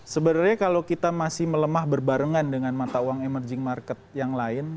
sebenarnya kalau kita masih melemah berbarengan dengan mata uang emerging market yang lain